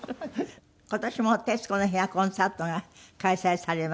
今年も「徹子の部屋」コンサートが開催されます。